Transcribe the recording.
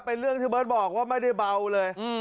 เป็นเรื่องที่เบิร์ตบอกว่าไม่ได้เบาเลย